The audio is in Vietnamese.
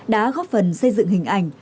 đã góp phần xây dựng hình ảnh